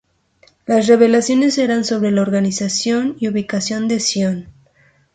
Las revelaciones eran sobre la organización y ubicación de Sion.